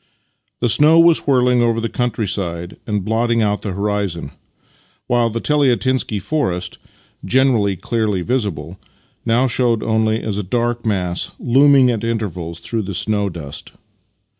The snow was whirling over the whole country side and blotting out the horizon, while the Teliatinsky forest — generally clearly visible — now showed only as a dark mass looming at intervals through the snow dust.